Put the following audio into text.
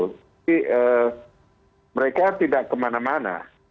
tapi mereka tidak kemana mana